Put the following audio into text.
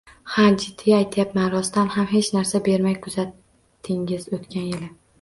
Ha… jiddiy aytyapman rostan ham hech narsa bermay kuzatdingiz o‘tgan yil...